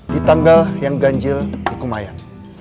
di tanggal yang ganjil di kumayan